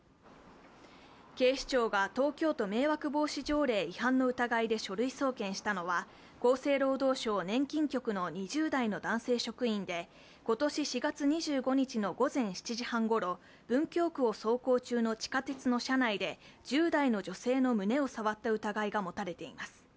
警視庁が東京都迷惑防止条例違反の疑いで書類送検したのは、厚生労働省年金局の２０代の男性職員で今年４月２５日の午前７時半ごろ、文京区を走行中の地下鉄の車内で１０代の女性の胸を触った疑いが持たれています。